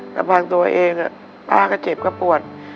ทางตัวเองป้าก็เจ็บก็ปวด